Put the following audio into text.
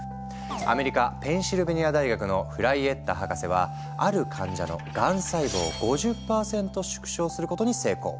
アメリカペンシルベニア大学のフライエッタ博士はある患者のがん細胞を５０％縮小することに成功。